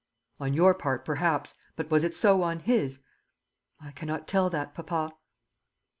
"On your part, perhaps; but was it so on his?" "I cannot tell that, papa."